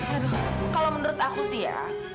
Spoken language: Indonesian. aduh kalau menurut aku sih ya